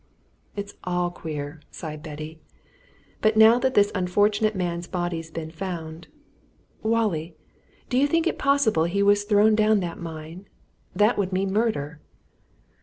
"It's all queer!" sighed Betty. "But now that this unfortunate man's body has been found Wallie! do you think it possible he was thrown down that mine? That would mean murder!"